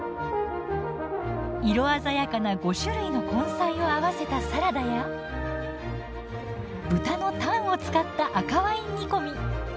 色鮮やかな５種類の根菜を合わせたサラダや豚のタンを使った赤ワイン煮込み。